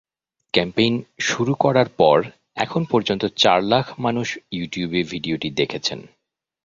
Campaign শুরুর পর এখন পর্যন্ত চার লাখ মানুষ ইউটিউবে ভিডিওটি দেখেছেন।